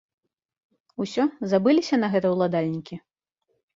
Усё, забыліся на гэта ўладальнікі?